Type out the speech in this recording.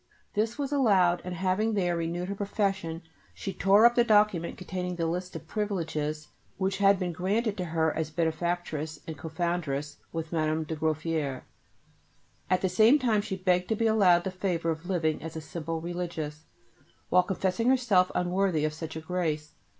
This was allowed, and having there renewed her profession, she tore up the document containing the list of privileges which had been granted to her as Benefactress and Co foundress with Madame de Gouffier. At the same time she begged to be allowed the favour of living as a simple religious, while confessing herself unworthy of such a grace.